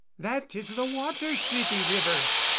That is the Water City river!